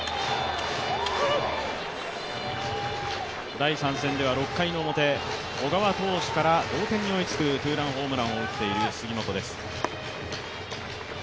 第３戦では６回の表、小川投手から同点に追いつくツーランホームランを打っている杉本です。